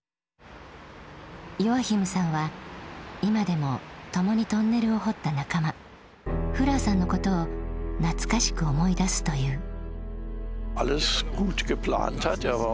ヨアヒムさんは今でも共にトンネルを掘った仲間フラーさんのことを懐かしく思い出すという。